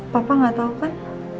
papa gak tau kan